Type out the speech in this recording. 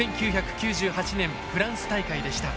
１９９８年フランス大会でした。